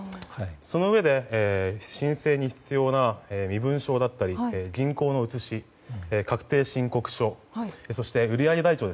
そのうえで申請に必要な身分証だったり、銀行の写し確定申告書、そして売り上げ台帳